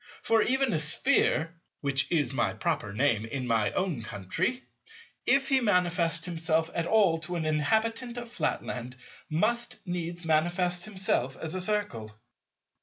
For even a Sphere—which is my proper name in my own country—if he manifest himself at all to an inhabitant of Flatland—must needs manifest himself as a Circle.